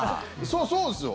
そうですよ。